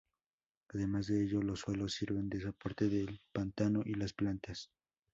Además de ello los suelos sirven de soporte del pantano y las plantas.